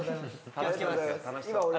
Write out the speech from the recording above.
気を付けます。